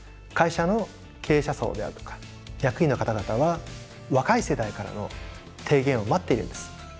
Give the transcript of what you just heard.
会社の経営者層であるとか役員の方々は若い世代からの提言を待っているんです。